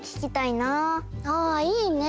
あいいね。